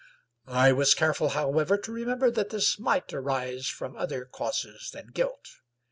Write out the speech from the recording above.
I was careful, however, to remember that this might arise from other causes than guilt.